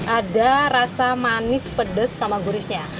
ada rasa manis pedas sama gurisnya